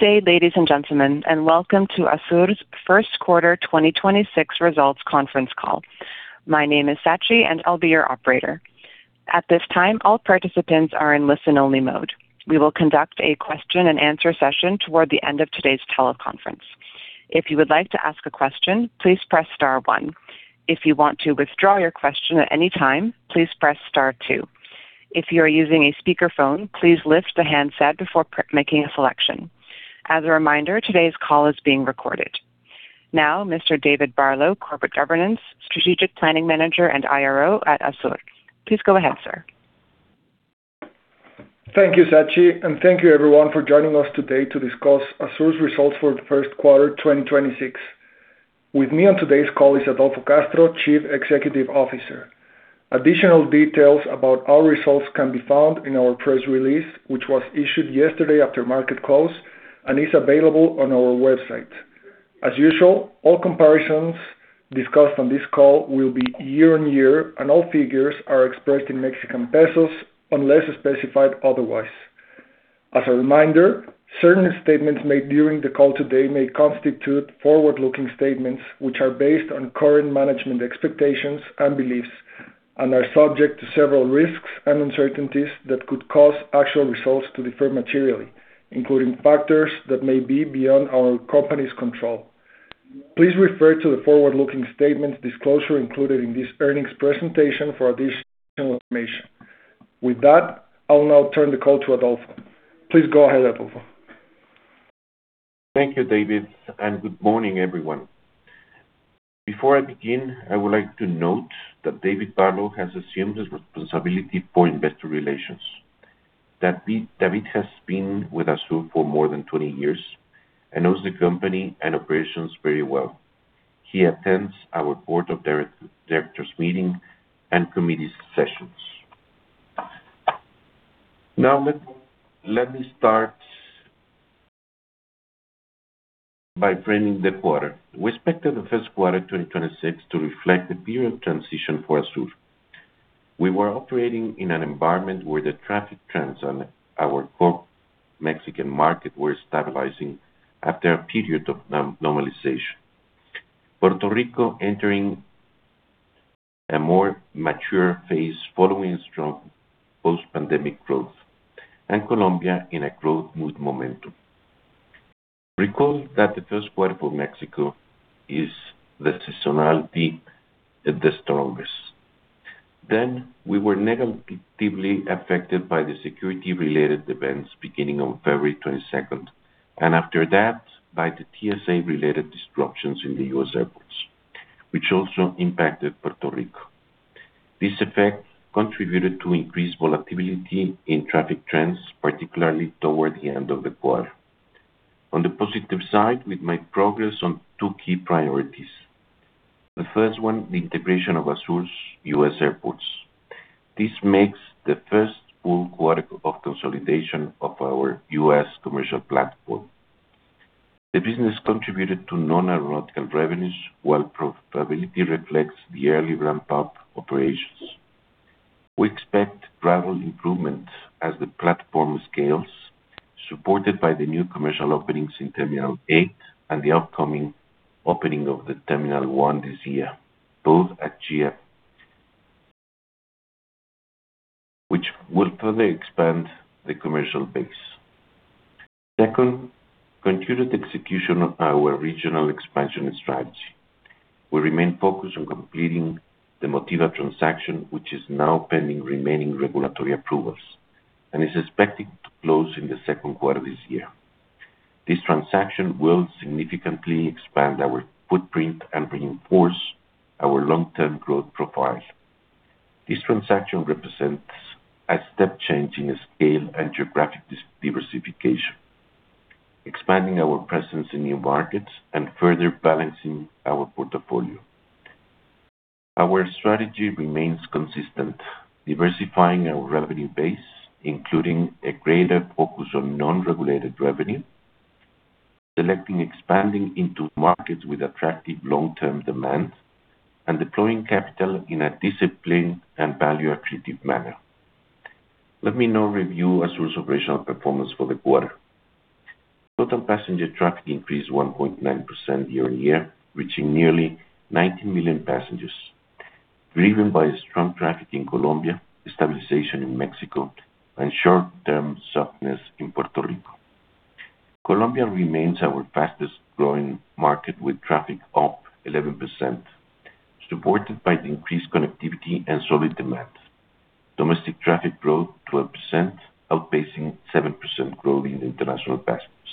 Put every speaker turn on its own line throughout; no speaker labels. Good day, ladies and gentlemen, and welcome to ASUR's first quarter 2026 results conference call. My name is Sashi, and I'll be your operator. At this time, all participants are in listen-only mode. We will conduct a question and answer session toward the end of today's teleconference. If you would like to ask a question, please press star one. If you want to withdraw your question at any time, please press star two. If you are using a speakerphone, please lift the handset before making a selection. As a reminder, today's call is being recorded. Now, Mr. David Barlow, Corporate Governance, Strategic Planning Manager, and IRO at ASUR. Please go ahead, sir.
Thank you, Sashi, and thank you everyone for joining us today to discuss ASUR's results for the first quarter, 2026. With me on today's call is Adolfo Castro, Chief Executive Officer. Additional details about our results can be found in our press release, which was issued yesterday after market close and is available on our website. As usual, all comparisons discussed on this call will be year-on-year, and all figures are expressed in Mexican pesos unless specified otherwise. As a reminder, certain statements made during the call today may constitute forward-looking statements, which are based on current management expectations and beliefs and are subject to several risks and uncertainties that could cause actual results to differ materially, including factors that may be beyond our company's control. Please refer to the forward-looking statements disclosure included in this earnings presentation for additional information. With that, I'll now turn the call to Adolfo. Please go ahead, Adolfo.
Thank you, David, and good morning, everyone. Before I begin, I would like to note that David Barlow has assumed the responsibility for investor relations. David has been with ASUR for more than 20 years and knows the company and operations very well. He attends our board of directors meeting and committee sessions. Now, let me start by framing the quarter. We expected the first quarter 2026 to reflect the period of transition for ASUR. We were operating in an environment where the traffic trends on our core Mexican market were stabilizing after a period of normalization, Puerto Rico entering a more mature phase following strong post-pandemic growth, and Colombia in a growth momentum. Recall that the first quarter for Mexico is the seasonality, the strongest. We were negatively affected by the security-related events beginning on February 22nd, and after that, by the TSA-related disruptions in the U.S. airports, which also impacted Puerto Rico. This effect contributed to increased volatility in traffic trends, particularly toward the end of the quarter. On the positive side, we made progress on two key priorities. The first one, the integration of ASUR's U.S. airports. This makes the first full quarter of consolidation of our U.S. commercial platform. The business contributed to non-aeronautical revenues, while profitability reflects the early ramp-up operations. We expect travel improvement as the platform scales, supported by the new commercial openings in Terminal 8 and the upcoming opening of the Terminal 1 this year, both at JFK. Which will further expand the commercial base. Second, continued execution of our regional expansion strategy. We remain focused on completing the Motiva transaction, which is now pending remaining regulatory approvals and is expected to close in the second quarter of this year. This transaction will significantly expand our footprint and reinforce our long-term growth profile. This transaction represents a step change in scale and geographic diversification, expanding our presence in new markets and further balancing our portfolio. Our strategy remains consistent, diversifying our revenue base, including a greater focus on non-regulated revenue, selecting expanding into markets with attractive long-term demand, and deploying capital in a disciplined and value-accretive manner. Let me now review ASUR's operational performance for the quarter. Total passenger traffic increased 1.9% year-on-year, reaching nearly 90 million passengers, driven by strong traffic in Colombia, stabilization in Mexico, and short-term softness in Puerto Rico. Colombia remains our fastest-growing market, with traffic up 11%, supported by increased connectivity and solid demand. Domestic traffic growth 12%, outpacing 7% growth in international passengers.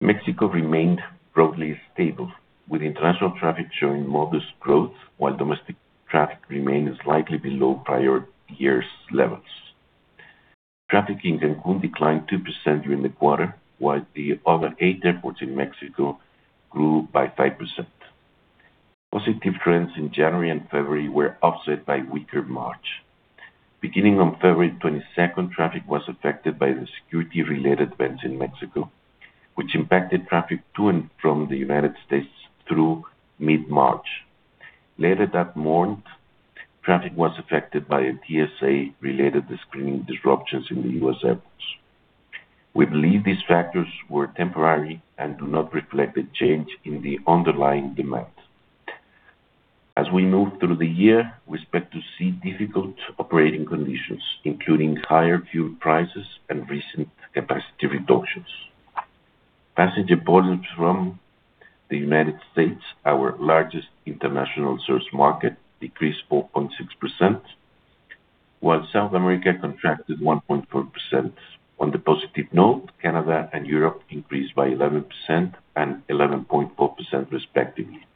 Mexico remained broadly stable, with international traffic showing modest growth while domestic traffic remained slightly below prior years' levels. Traffic in Cancún declined 2% during the quarter, while the other eight airports in Mexico grew by 5%. Positive trends in January and February were offset by weaker March. Beginning on February 22nd, traffic was affected by the security-related events in Mexico, which impacted traffic to and from the United States through mid-March. Later that month, traffic was affected by a TSA-related screening disruptions in the U.S. airports. We believe these factors were temporary and do not reflect a change in the underlying demand. As we move through the year, we expect to see difficult operating conditions, including higher fuel prices and recent capacity reductions. Passenger volumes from the United States, our largest international source market, decreased 4.6%, while South America contracted 1.4%. On the positive note, Canada and Europe increased by 11% and 11.4% respectively.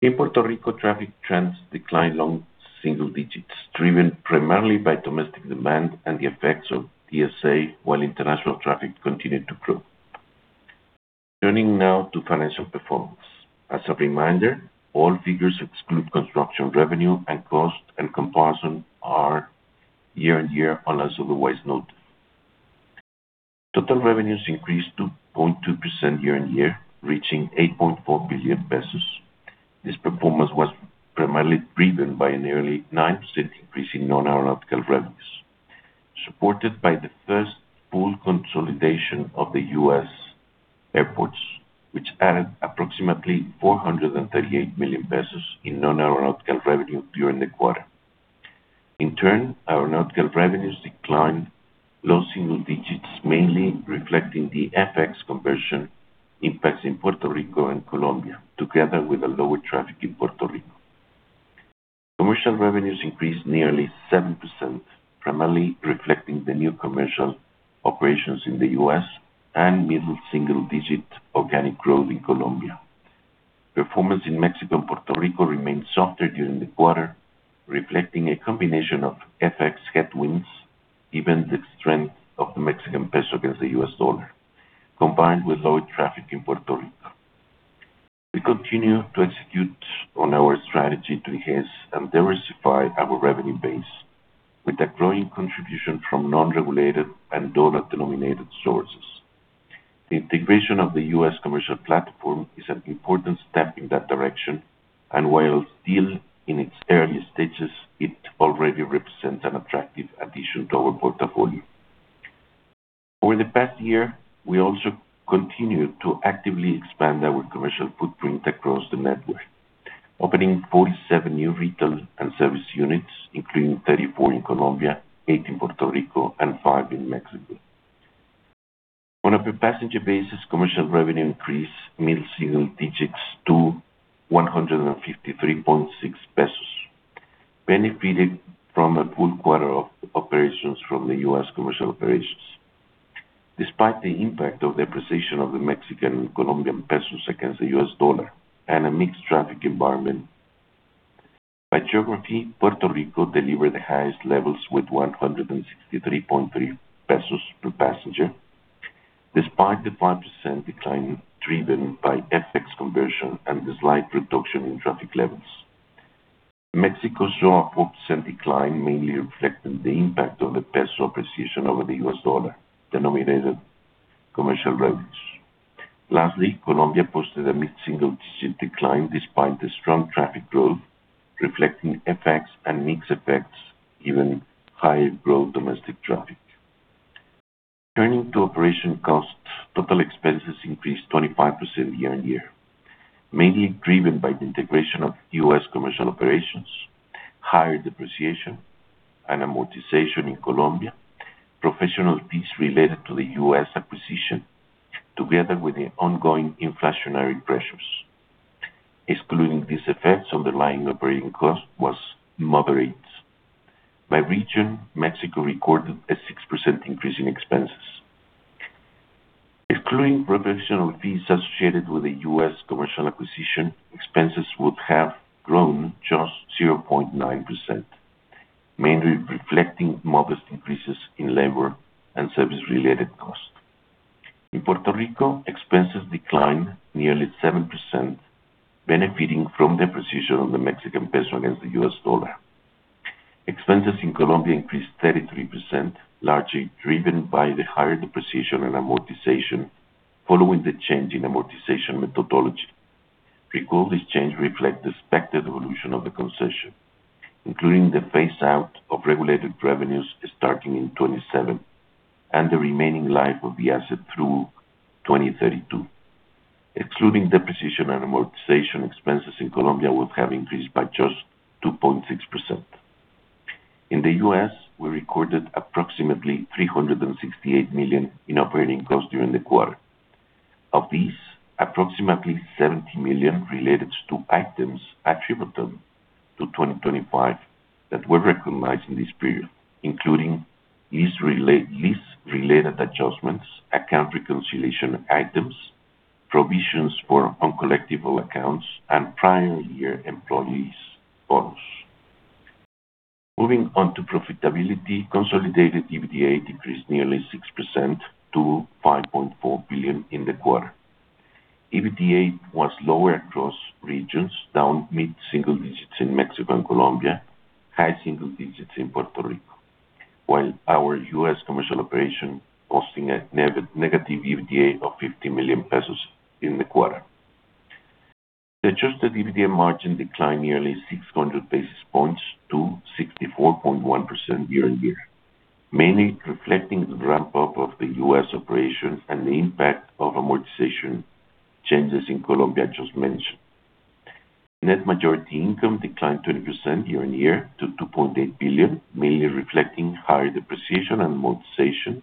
In Puerto Rico, traffic trends declined low single digits, driven primarily by domestic demand and the effects of TSA, while international traffic continued to grow. Turning now to financial performance. As a reminder, all figures exclude construction revenue and cost, and comparison are year-on-year unless otherwise noted. Total revenues increased 2.2% year-on-year, reaching 8.4 billion pesos. This performance was primarily driven by a nearly 9% increase in non-aeronautical revenues, supported by the first full consolidation of the U.S. airports, which added approximately 438 million pesos in non-aeronautical revenue during the quarter. In turn, aeronautical revenues declined low single digits, mainly reflecting the FX conversion impacts in Puerto Rico and Colombia, together with a lower traffic in Puerto Rico. Commercial revenues increased nearly 7%, primarily reflecting the new commercial operations in the U.S. and middle single digit organic growth in Colombia. Performance in Mexico and Puerto Rico remained softer during the quarter, reflecting a combination of FX headwinds, given the strength of the Mexican peso against the U.S. dollar, combined with lower traffic in Puerto Rico. We continue to execute on our strategy to enhance and diversify our revenue base, with a growing contribution from non-regulated and dollar-denominated sources. The integration of the U.S. commercial platform is an important step in that direction, and while still in its early stages, it already represents an attractive addition to our portfolio. Over the past year, we also continued to actively expand our commercial footprint across the network, opening 47 new retail and service units, including 34 in Colombia, eight in Puerto Rico, and five in Mexico. On a per passenger basis, commercial revenue increased mid-single digits to 153.6 pesos, benefiting from a full quarter of operations from the U.S. commercial operations, despite the impact of the appreciation of the Mexican and Colombian pesos against the U.S .dollar and a mixed traffic environment. By geography, Puerto Rico delivered the highest levels with 163.3 pesos per passenger, despite the 5% decline driven by FX conversion and the slight reduction in traffic levels. Mexico saw a 4% decline, mainly reflecting the impact of the peso appreciation over the U.S. dollar-denominated commercial revenues. Lastly, Colombia posted a mid-single digit decline despite the strong traffic growth, reflecting FX effects and mixed effects, given higher growth domestic traffic. Turning to operating costs, total expenses increased 25% year-on-year, mainly driven by the integration of U.S. commercial operations, higher depreciation, and amortization in Colombia, professional fees related to the U.S. acquisition, together with the ongoing inflationary pressures. Excluding these effects, underlying operating costs was moderate. By region, Mexico recorded a 6% increase in expenses. Excluding professional fees associated with the U.S. commercial acquisition, expenses would have grown just 0.9%, mainly reflecting modest increases in labor and service-related costs. In Puerto Rico, expenses declined nearly 7%, benefiting from depreciation of the Mexican peso against the U.S. dollar. Expenses in Colombia increased 33%, largely driven by the higher depreciation and amortization following the change in amortization methodology. Recall this change reflect expected evolution of the concession, including the phase-out of regulated revenues starting in 2027, and the remaining life of the asset through 2032. Excluding depreciation and amortization, expenses in Colombia would have increased by just 2.6%. In the U.S., we recorded approximately 368 million in operating costs during the quarter. Of these, approximately 70 million related to items attributable to 2025 that were recognized in this period, including lease-related adjustments, account reconciliation items, provisions for uncollectible accounts, and prior-year employees' bonus. Moving on to profitability, consolidated EBITDA increased nearly 6% to 5.4 billion in the quarter. EBITDA was lower across regions, down mid-single digits in Mexico and Colombia, high single digits in Puerto Rico, while our U.S. commercial operation posted a negative EBITDA of 50 million pesos in the quarter. The Adjusted EBITDA margin declined nearly 600 basis points to 64.1% year-on-year, mainly reflecting the ramp-up of the U.S. operations and the impact of amortization changes in Colombia I just mentioned. Net income declined 20% year-on-year to 2.8 billion, mainly reflecting higher depreciation and amortization,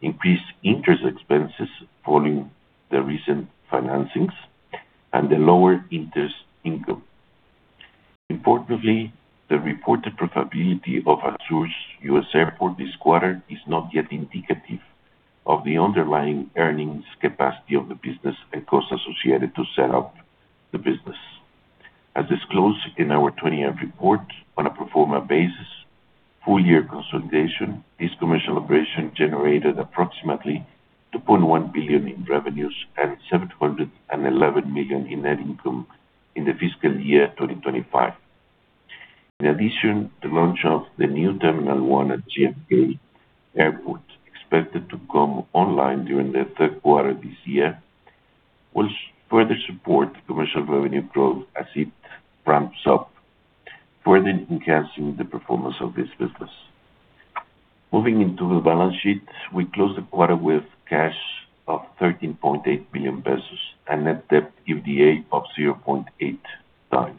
increased interest expenses following the recent financings, and the lower interest income. Importantly, the reported profitability of ASUR's U.S. airport this quarter is not yet indicative of the underlying earnings capacity of the business and costs associated to set up the business. As disclosed in our 20-F report, on a pro forma basis, full year consolidation, this commercial operation generated approximately 2.1 billion in revenues and 711 million in net income in the fiscal year 2025. In addition, the launch of the New Terminal One at JFK Airport, expected to come online during the third quarter of this year, will further support commercial revenue growth as it ramps up, further enhancing the performance of this business. Moving into the balance sheet, we closed the quarter with cash of 13.8 billion pesos and net debt to EBITDA of 0.8x.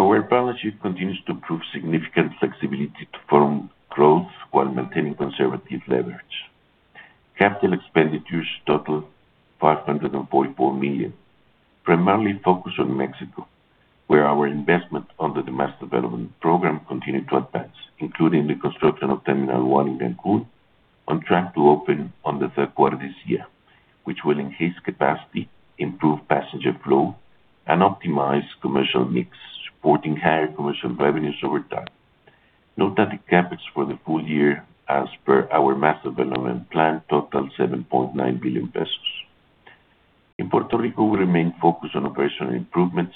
Our balance sheet continues to prove significant flexibility to fuel growth while maintaining conservative leverage. Capital expenditures totaled 544 million, primarily focused on Mexico, where our investment under the Master Development Program continued to advance, including the construction of Terminal 1 in Cancún, on track to open in the third quarter this year, which will increase capacity, improve passenger flow, and optimize commercial mix, supporting higher commercial revenues over time. Noted CapEx for the full year as per our Master Development Program totaled 7.9 billion pesos. In Puerto Rico, we remain focused on operational improvements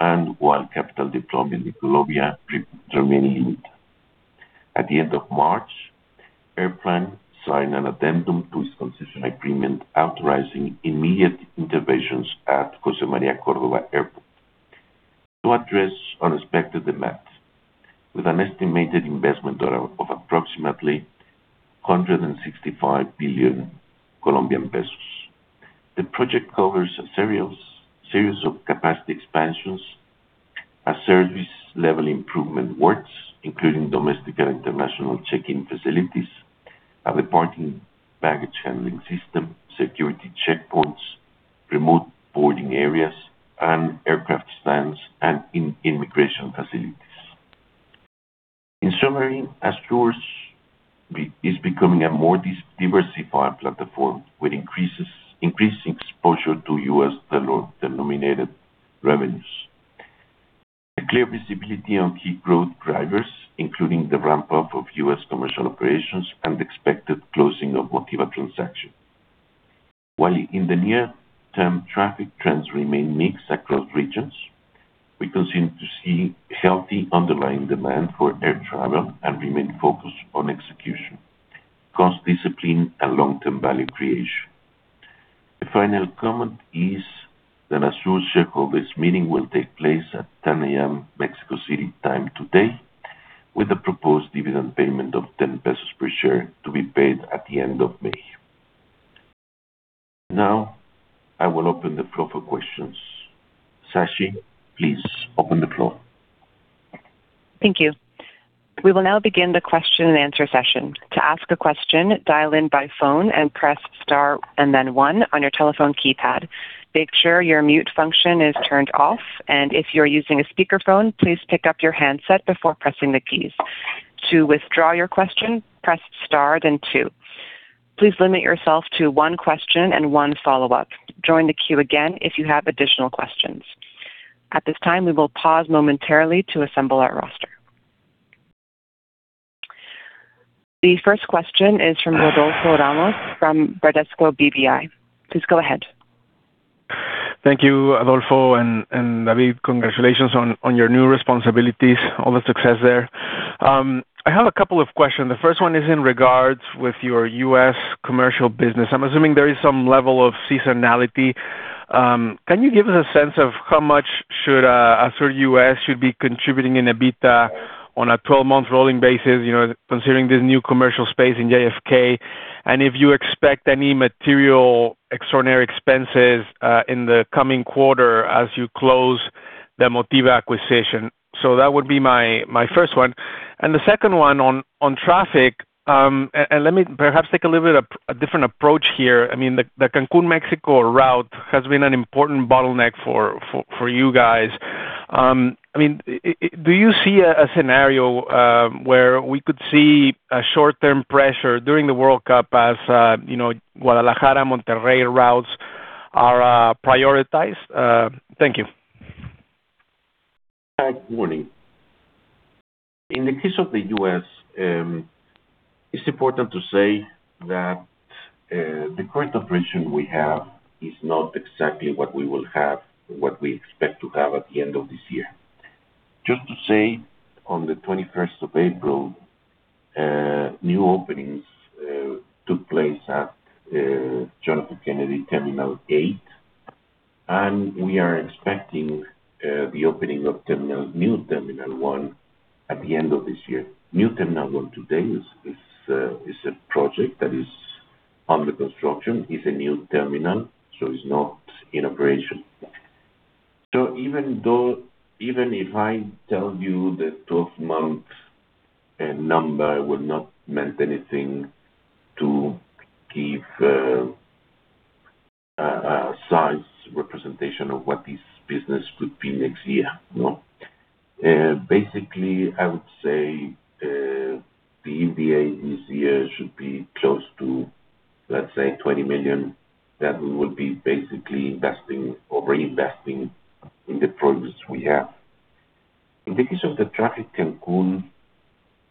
and while capital deployment in Colombia remains limited. At the end of March, Airplan signed an addendum to its concession agreement authorizing immediate interventions at José María Córdova International Airport to address unexpected demands, with an estimated investment of approximately COP 165 billion. The project covers a series of capacity expansions, a service level improvement works, including domestic and international check-in facilities, a departing baggage handling system, security checkpoints, remote boarding areas, and aircraft stands and immigration facilities. In summary, ASUR is becoming a more diversified platform with increasing exposure to U.S. dollar-denominated revenues and a clear visibility on key growth drivers, including the ramp-up of U.S. commercial operations and expected closing of Motiva transaction. While in the near-term traffic trends remain mixed across regions, we continue to see healthy underlying demand for air travel and remain focused on execution, cost discipline, and long-term value creation. The final comment is that ASUR's shareholders meeting will take place at 10:00 A.M. Mexico City time today, with a proposed dividend payment of 10 pesos per share to be paid at the end of May. Now, I will open the floor for questions. Sashi, please open the floor.
Thank you. We will now begin the question and answer session. To ask a question, dial in by phone and press star and then one on your telephone keypad. Make sure your mute function is turned off, and if you're using a speakerphone, please pick up your handset before pressing the keys. To withdraw your question, press star, then two. Please limit yourself to one question and one follow-up. Join the queue again if you have additional questions. At this time, we will pause momentarily to assemble our roster. The first question is from Rodolfo Ramos from Bradesco BBI. Please go ahead.
Thank you, Adolfo, and David, congratulations on your new responsibilities, all the success there. I have a couple of questions. The first one is in regards to your U.S. commercial business. I'm assuming there is some level of seasonality. Can you give us a sense of how much ASUR U.S. should be contributing in EBITDA on a 12-month rolling basis, considering the new commercial space in JFK, and if you expect any material extraordinary expenses in the coming quarter as you close the Motiva acquisition? That would be my first one. The second one on traffic, and let me perhaps take a little bit of a different approach here. The Cancún-Mexico route has been an important bottleneck for you guys. Do you see a scenario where we could see a short-term pressure during the World Cup as Guadalajara-Monterrey routes are prioritized? Thank you.
Good morning. It's important to say that the current operation we have is not exactly what we will have, what we expect to have at the end of this year. Just to say, on the 21st of April, new openings took place at John F. Kennedy, Terminal 8, and we are expecting the opening of New Terminal One at the end of this year. New Terminal One today is a project that is under construction. It's a new terminal, so it's not in operation. Even if I tell you the 12-month number, it would not mean anything to give a size representation of what this business could be next year. Basically, I would say the EBITDA this year should be close to, let's say, 20 million, that we will be basically investing or reinvesting in the projects we have. In the case of the traffic Cancún,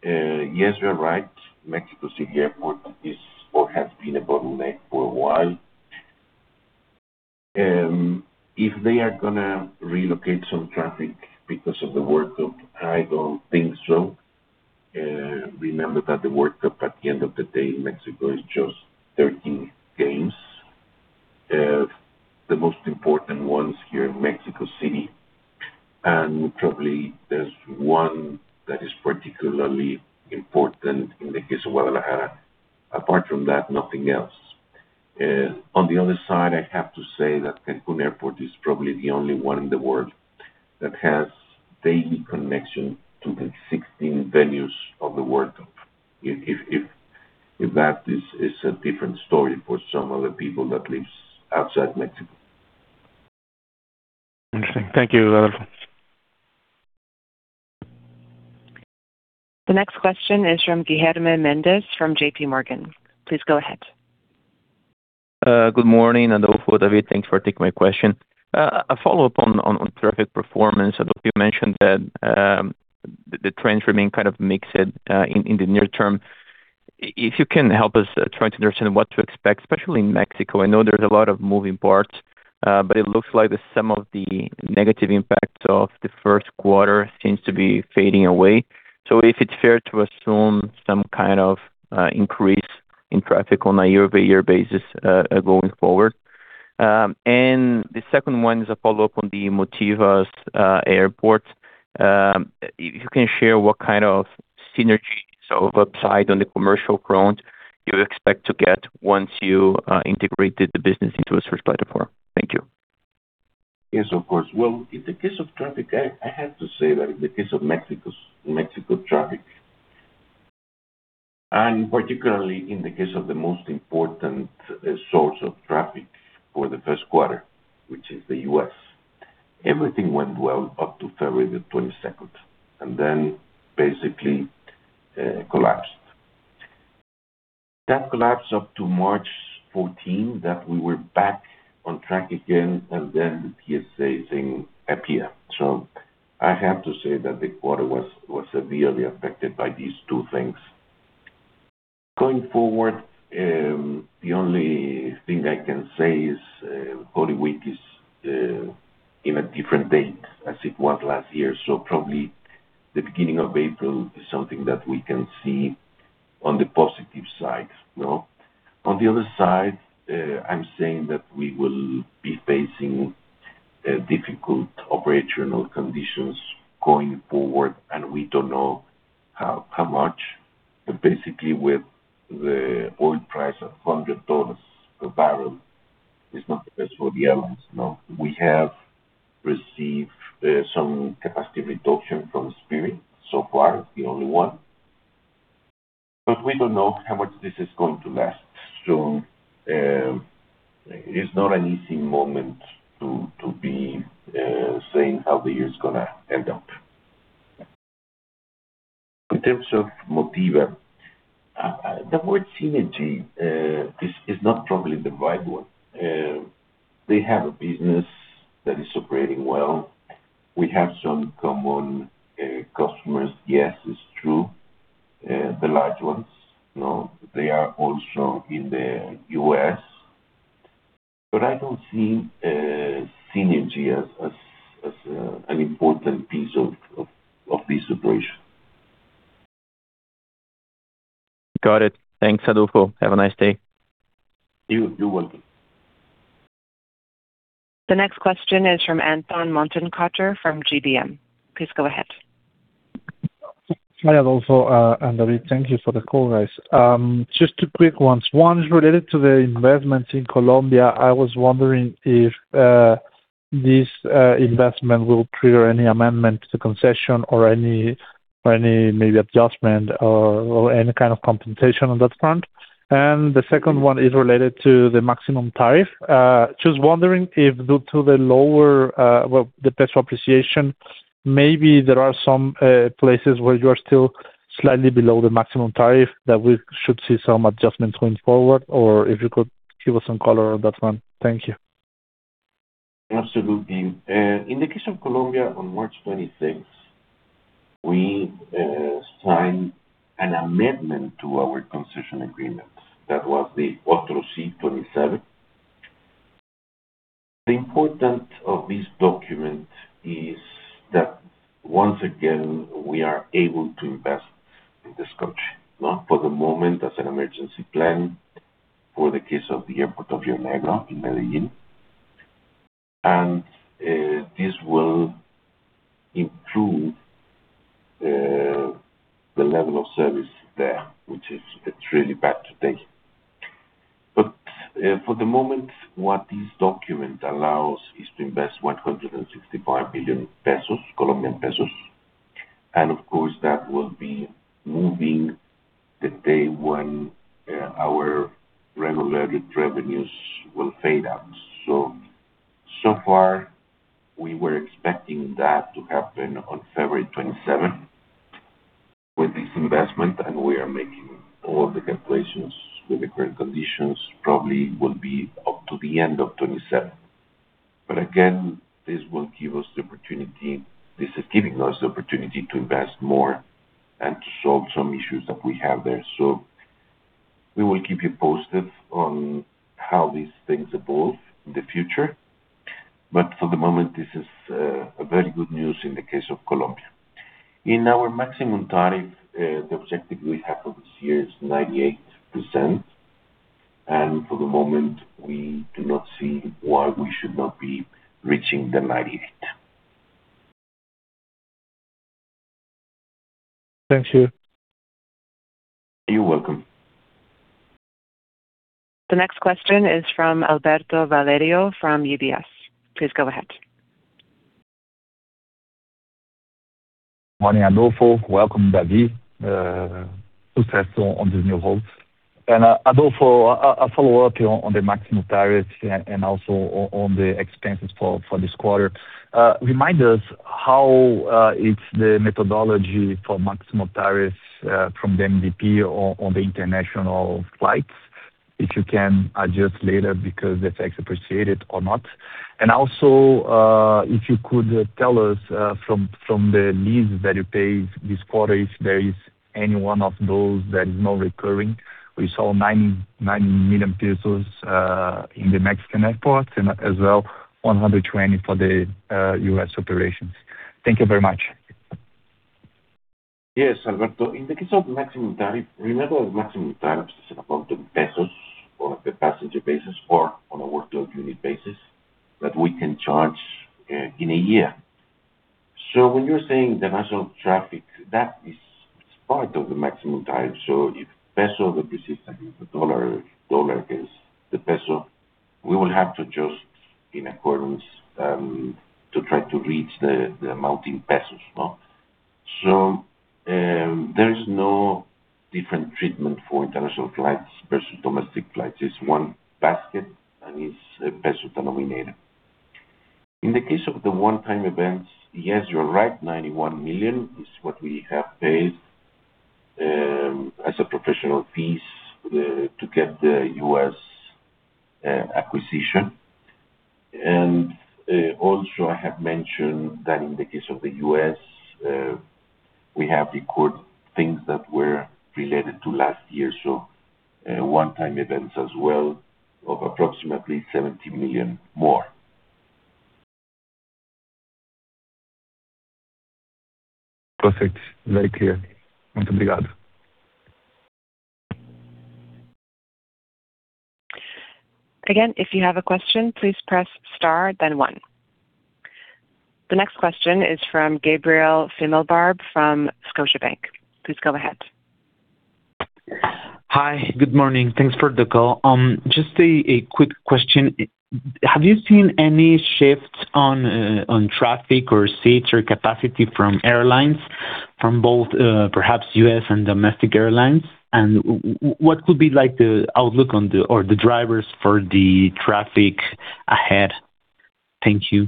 yes, you're right, Mexico City Airport is or has been a bottleneck for a while. If they are going to relocate some traffic because of the World Cup, I don't think so. Remember that the World Cup, at the end of the day, Mexico is just 13 games. The most important ones here in Mexico City, and probably there's one that is particularly important in the case of Guadalajara. Apart from that, nothing else. On the other side, I have to say that Cancún Airport is probably the only one in the world that has daily connection to the 16 venues of the World Cup. If that is a different story for some other people that lives outside Mexico.
Interesting. Thank you, Adolfo.
The next question is from Guilherme Mendes from JPMorgan. Please go ahead.
Good morning, Adolfo, David. Thanks for taking my question. A follow-up on traffic performance. Adolfo, you mentioned that the trends remain kind of mixed in the near term. If you can help us try to understand what to expect, especially in Mexico. I know there's a lot of moving parts, but it looks like some of the negative impacts of the first quarter seems to be fading away. If it's fair to assume some kind of increase in traffic on a year-by-year basis going forward. The second one is a follow-up on the Motiva's Airport. If you can share what kind of synergies or upside on the commercial front you expect to get once you integrated the business into the group platform. Thank you.
Yes, of course. Well, in the case of traffic, I have to say that in the case of Mexico's traffic, and particularly in the case of the most important source of traffic for the first quarter, which is the U.S., everything went well up to February the 22nd, and then basically collapsed. The collapse up to March 14. After that we were back on track again, and then the TSA thing appeared. I have to say that the quarter was severely affected by these two things. Going forward, the only thing I can say is Holy Week is in a different date as it was last year. Probably the beginning of April is something that we can see on the positive side. On the other side, I'm saying that we will be facing difficult operational conditions going forward, and we don't know how much. Basically, with the oil price of $100 a barrel, it's not the best for the airlines. We have received some capacity reduction from Spirit so far, the only one. We don't know how much this is going to last. It's not an easy moment to be saying how the year's going to end up. In terms of Motiva, the word synergy is not probably the right one. They have a business that is operating well. We have some common customers, yes, it's true. The large ones, they are also in the U.S. I don't see synergy as an important piece of this operation.
Got it. Thanks, Adolfo. Have a nice day.
You're welcome.
The next question is from Anton Mortenkotter from GBM. Please go ahead.
Hi, Adolfo and David. Thank you for the call, guys. Just two quick ones. One is related to the investment in Colombia. I was wondering if this investment will trigger any amendment to concession or any maybe adjustment or any kind of compensation on that front. The second one is related to the maximum tariff. Just wondering if due to the lower, well, the peso appreciation, maybe there are some places where you are still slightly below the maximum tariff that we should see some adjustments going forward, or if you could give us some color on that one. Thank you.
Absolutely. In the case of Colombia, on March 26th, we signed an amendment to our concession agreement. That was the Otrosí 27. The importance of this document is that, once again, we are able to invest in this country. For the moment, as an emergency plan, for the case of the airport of Rionegro, this will improve the level of service there, which is really bad today. For the moment, what this document allows is to invest COP 165 million. Of course, that will be moving the day when our regulatory revenues will fade out. Far, we were expecting that to happen on February 27th. With this investment, we are making all the calculations with the current conditions, probably will be up to the end of 2027. Again, this is giving us the opportunity to invest more and to solve some issues that we have there. We will keep you posted on how these things evolve in the future. For the moment, this is a very good news in the case of Colombia. In our maximum tariff, the objective we have for this year is 98%, and for the moment, we do not see why we should not be reaching the 98%.
Thank you.
You're welcome.
The next question is from Alberto Valerio from UBS. Please go ahead.
Morning, Adolfo. Welcome, David. Success on this new role. Adolfo, a follow-up on the maximum tariffs and also on the expenses for this quarter. Remind us how it's the methodology for maximum tariffs from the MDP on the international flights, if you can adjust later because the peso appreciated or not. Also, if you could tell us from the lease that you paid this quarter, if there is any one of those that is not recurring. We saw 90 million pesos in the Mexican airport and as well $120 million for the U.S. operations. Thank you very much.
Yes, Alberto. In the case of maximum tariff, remember the maximum tariff is an amount in pesos on a per passenger basis or on a workload unit basis that we can charge in a year. When you're saying the national traffic, that is part of the maximum tariff. If peso depreciates against the dollar, if dollar against the peso, we will have to adjust in accordance to try to reach the amount in pesos. There is no different treatment for international flights versus domestic flights. It's one basket, and it's peso-denominated. In the case of the one-time events, yes, you're right, $91 million is what we have paid as professional fees to get the U.S. acquisition. Also, I have mentioned that in the case of the U.S., we have recorded things that were related to last year. One-time events as well of approximately 70 million more.
Perfect. Very clear.
Again, if you have a question, please press star then one. The next question is from Gabriel Himelfarb from Scotiabank. Please go ahead.
Hi. Good morning. Thanks for the call. Just a quick question. Have you seen any shifts on traffic or seats or capacity from airlines, from both perhaps U.S. and domestic airlines? And what could be the outlook or the drivers for the traffic ahead? Thank you.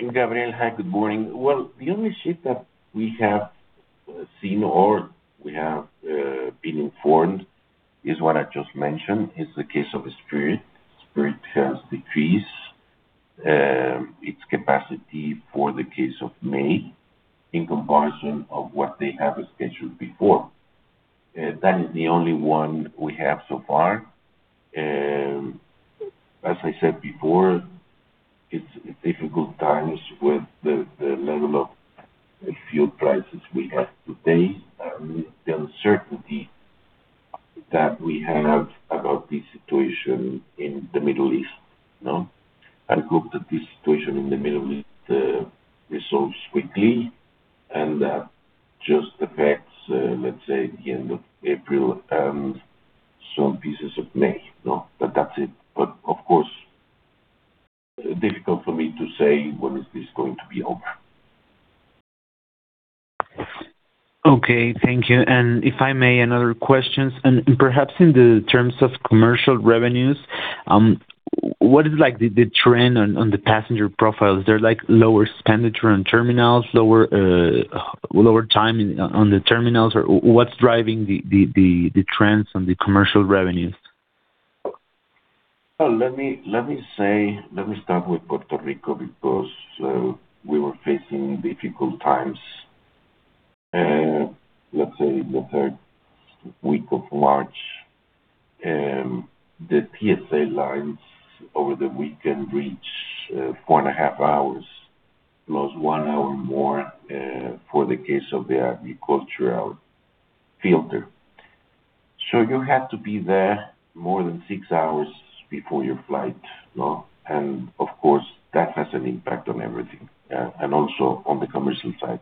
Hi, good morning. Well, the only shift that we have seen or we have been informed is what I just mentioned, is the case of Spirit. Spirit has decreased its capacity for the case of May in comparison of what they have scheduled before. That is the only one we have so far. As I said before, it's difficult times with the level of fuel prices we have today, and the uncertainty that we have about the situation in the Middle East. I hope that this situation in the Middle East resolves quickly and that just affects, let's say, the end of April and some pieces of May. That's it. Of course, difficult for me to say when is this going to be over.
Okay. Thank you. If I may, another questions. Perhaps in the terms of commercial revenues, what is the trend on the passenger profile? Is there lower expenditure on terminals, lower time on the terminals, or what's driving the trends on the commercial revenues?
Let me start with Puerto Rico, because we were facing difficult times. Let's say the third week of March, the TSA lines over the weekend reached 4.5 hours, plus 1 hour more for the case of the agricultural filter. You had to be there more than 6 hours before your flight. Of course, that has an impact on everything. Also on the commercial side,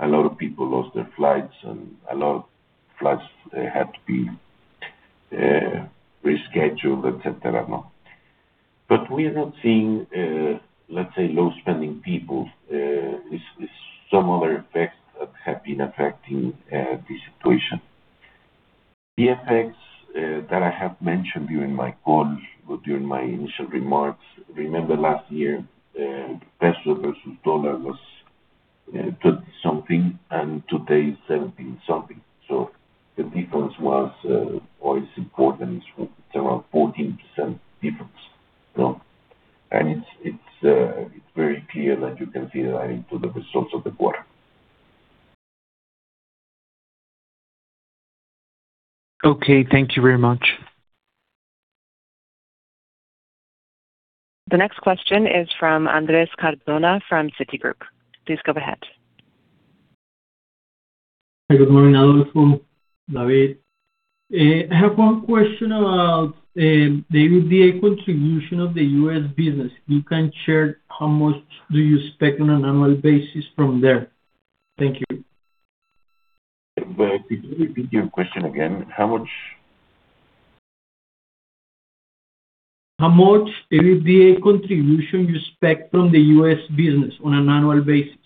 a lot of people lost their flights, and a lot of flights had to be rescheduled, et cetera. We are not seeing, let's say, low-spending people. It's some other effects that have been affecting the situation. The effects that I have mentioned during my call, during my initial remarks, remember last year, peso versus dollar was 20-something, and today it's 17-something. The difference was always important. It's around 14% difference. It's very clear, and you can see that in the results of the quarter.
Okay, thank you very much.
The next question is from Andres Cardona from Citigroup. Please go ahead.
Good morning, Adolfo, David. I have one question about the EBITDA contribution of the U.S. business. You can share, how much do you expect on an annual basis from there? Thank you.
Could you repeat your question again? How much?
How much EBITDA contribution you expect from the U.S. business on an annual basis?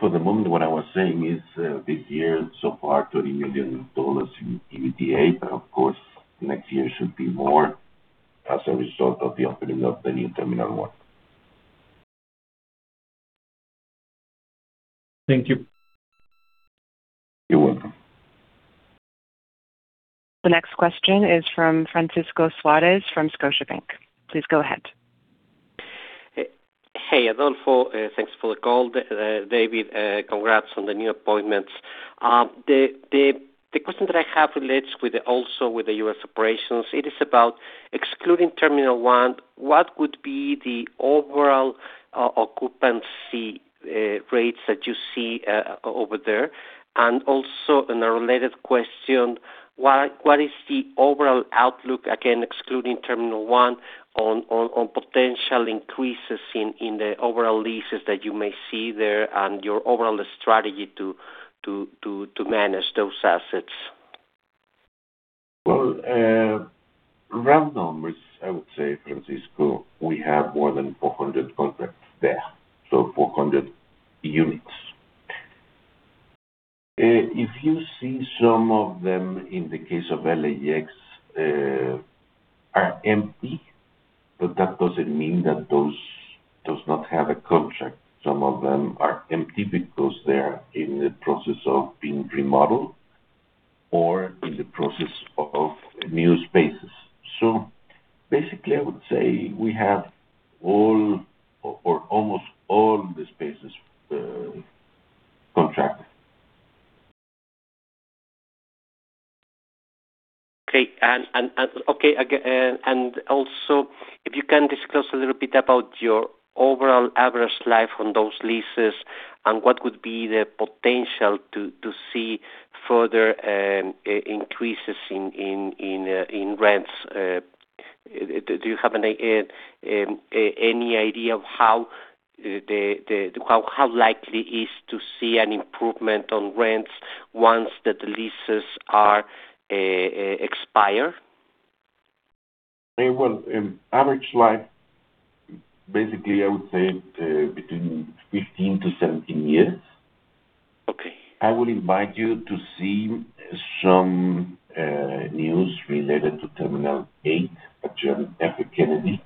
For the moment, what I was saying is the year so far, $30 million in EBITDA. Of course, next year should be more as a result of the opening of the New Terminal One.
Thank you.
You're welcome.
The next question is from Francisco Suarez from Scotiabank. Please go ahead.
Hey, Adolfo. Thanks for the call. David, congrats on the new appointments. The question that I have relates also with the U.S. operations. It is about excluding Terminal 1, what would be the overall occupancy rates that you see over there? And also, in a related question, what is the overall outlook, again, excluding Terminal 1, on potential increases in the overall leases that you may see there and your overall strategy to manage those assets?
Well, round numbers, I would say, Francisco, we have more than 400 contracts there. 400 units. If you see some of them, in the case of LAX, are empty, but that doesn't mean that those does not have a contract. Some of them are empty because they're in the process of being remodeled or in the process of new spaces. Basically, I would say we have all or almost all the spaces contracted.
Okay. Also if you can discuss a little bit about your overall average life on those leases and what would be the potential to see further increases in rents. Do you have any idea of how likely is to see an improvement on rents once the leases are expired?
Well, average life, basically, I would say between 15-17 years.
Okay.
I would invite you to see some news related to Terminal 8 at John F. Kennedy,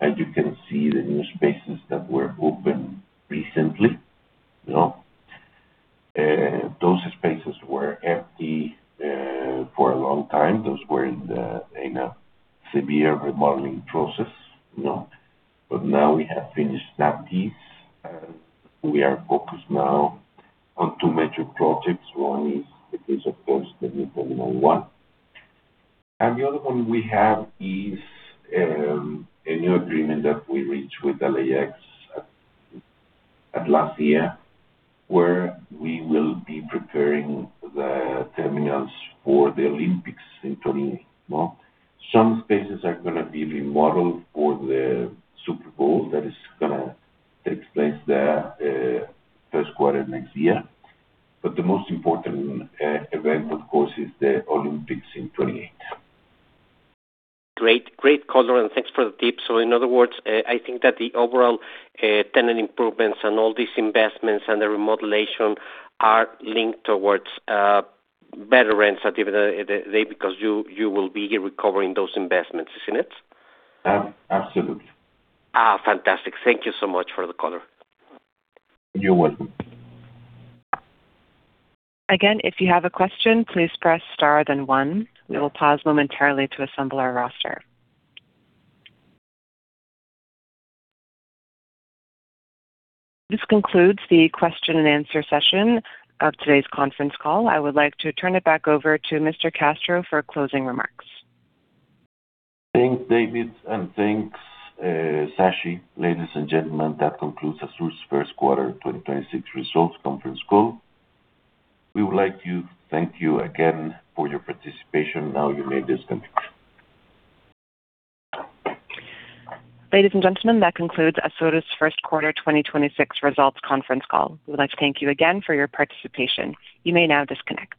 and you can see the new spaces that were opened recently. Those spaces were empty for a long time. Those were in a severe remodeling process. Now we have finished that piece. We are focused now on two major projects. One is, of New Terminal One. the other one we have is a new agreement that we reached with LAX last year, where we will be preparing the terminals for the Olympics in 2028. Some spaces are going to be remodeled for the Super Bowl. That is going to take place there first quarter next year. The most important event, of course, is the Olympics in 2028.
Great color, and thanks for the tip. In other words, I think that the overall tenant improvements and all these investments and the remodeling are linked towards better rents at the end of the day because you will be recovering those investments, isn't it?
Absolutely.
Fantastic. Thank you so much for the color.
You're welcome.
Again, if you have a question, please press star then one. We will pause momentarily to assemble our roster. This concludes the question and answer session of today's conference call. I would like to turn it back over to Mr. Castro for closing remarks.
Thanks, David, and thanks, Sashi. Ladies and gentlemen, that concludes ASUR's first quarter 2026 results conference call. We would like to thank you again for your participation. Now you may disconnect.
Ladies and gentlemen, that concludes ASUR's first quarter 2026 results conference call. We would like to thank you again for your participation. You may now disconnect.